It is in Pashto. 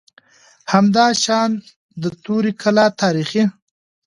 همداشان د توري کلا تاریخي